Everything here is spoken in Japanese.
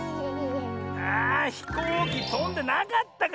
あひこうきとんでなかったか！